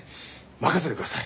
任せてください。